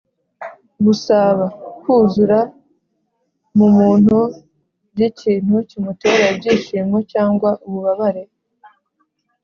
gusaaba: kuzura mu muntu by’ikintu kimutera ibyishimo cyangwa ububabare